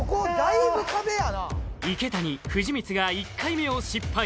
あっ池谷藤光が１回目を失敗